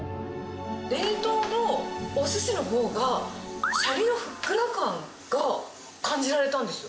冷凍のおすしのほうが、シャリのふっくら感が感じられたんですよ。